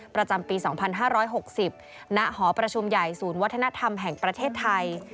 ประจำปี๒๕๖๐ณหอประชุมใหญ่ศูนย์วัฒนธรรมแห่งประเทศไทย